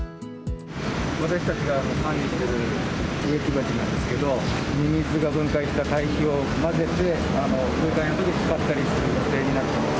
私たちが管理している植木鉢なんですけど、ミミズが分解した堆肥を混ぜて使ったりする予定になっています。